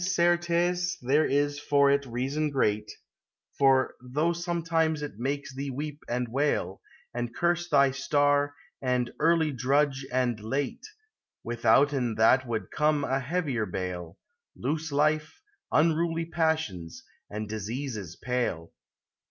And, certes, there is for it reason great ; For, though sometimes it makes thee weep and wail, And curse thy star, and early drudge and late ; Withouten that would come a heavier bale, Loose life, unruly passions, and diseases pale.